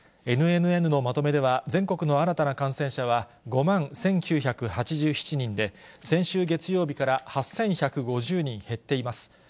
ＮＮＮのまとめでは、全国の新たな感染者は５万１９８７人で、先週月曜日から８１５０人減っています。